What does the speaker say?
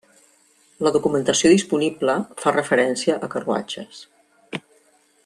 La documentació disponible fa referència a carruatges.